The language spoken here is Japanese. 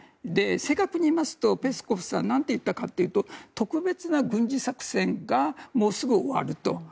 正確に言いますとペスコフさんが何と言ったかというと特別な軍事作戦がもうすぐ終わると。